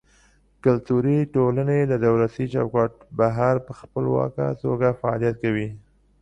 کلتوري ټولنې له دولتي چوکاټه بهر په خپلواکه توګه فعالیت کوي.